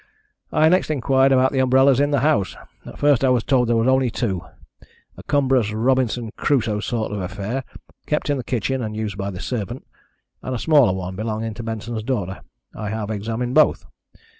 I next inquired about the umbrellas in the house. At first I was told there were only two a cumbrous, Robinson Crusoe sort of affair, kept in the kitchen and used by the servant, and a smaller one, belonging to Benson's daughter. I have examined both.